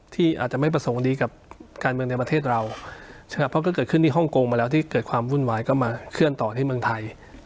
ที่อาจจะไม่ประสงค์ดีกับการเมืองในประเทศเราเพราะก็เกิดขึ้นที่ฮ่องกงมาแล้วที่เกิดความวุ่นวายก็มาเคลื่อนต่อที่เมืองไทย